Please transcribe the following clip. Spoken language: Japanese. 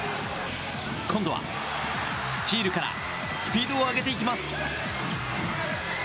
今度はスチールからスピードを上げていきます。